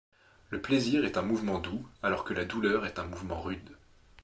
Le plaisir est un mouvement doux, alors que la douleur est un mouvement rude.